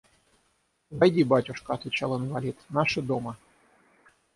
«Войди, батюшка, – отвечал инвалид, – наши дома».